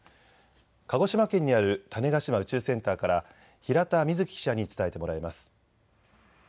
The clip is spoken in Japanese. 鹿児島県にある種子島宇宙センターから平田瑞季記者に伝えてもらいます。